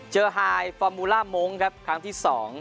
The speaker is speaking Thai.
ไฮฟอร์มูล่ามงค์ครับครั้งที่๒